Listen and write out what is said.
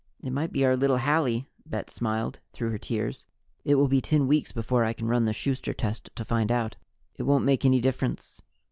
"It might be our little Hallie." Bet smiled through her tears. "It will be ten weeks before I can run the Schuster test to find out." "It won't make any difference.